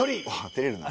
てれるな。